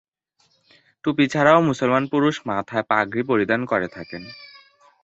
টুপি ছাড়াও মুসলমান পুরুষ মাথায় পাগড়ি পরিধান করে থাকেন।